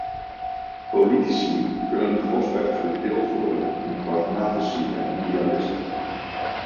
Politici kunnen grofweg verdeeld worden in pragmatici en idealisten.